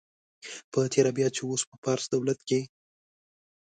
په تېره بیا چې اوس په فارس دولت کې.